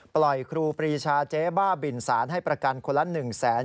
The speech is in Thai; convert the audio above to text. ครูปรีชาเจ๊บ้าบินสารให้ประกันคนละ๑แสน